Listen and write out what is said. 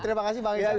terima kasih bang ismail